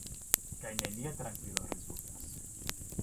Kaj nenia trankvilo rezultas.